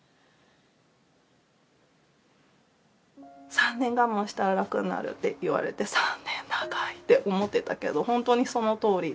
３年我慢したら楽になるって言われて３年長いって思っていたけど本当にそのとおりで。